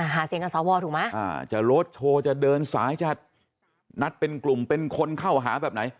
หาเสียงกับสวถูกไหมจะลดโชว์จะเดินสายจะนัดเป็นกลุ่มเป็นคนเข้าหาแบบไหน